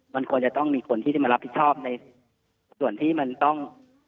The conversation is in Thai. มันควรจะต้องมีคนที่ได้มารับผิดชอบในส่วนที่มันต้อง